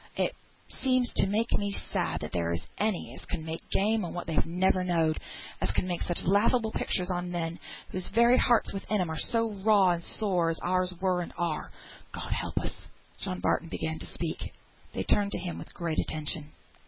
It seems to make me sad that there is any as can make game on what they've never knowed; as can make such laughable pictures on men, whose very hearts within 'em are so raw and sore as ours were and are, God help us." John Barton began to speak; they turned to him with great attention.